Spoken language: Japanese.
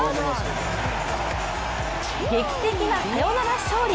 劇的なサヨナラ勝利。